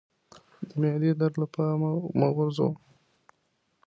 د معدې درد له پامه مه غورځوه